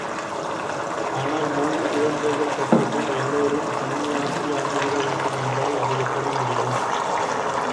ஆனால் மூன்று குழந்தைகள் பெற்றபின் எல்லோரும் சன்னியாசியாகிவிட வேண்டும் என்றால் அது எப்படி முடியும்?